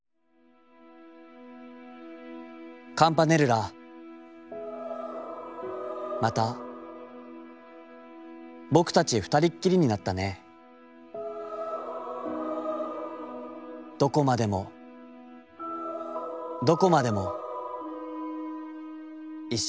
「『カムパネルラ、また僕たち二人っきりになったねえ、どこまでもどこまでも一緒に行かう。